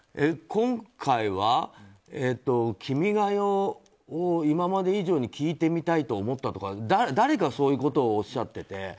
今回は、「君が代」を今まで以上に聴いてみたいと思ったとかって誰か、そういうことをおっしゃってて。